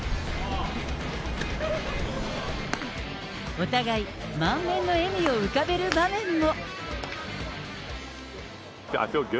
お互い、満面の笑みを浮かべる場面も。